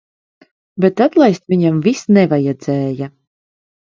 Bet atlaist viņam vis nevajadzēja.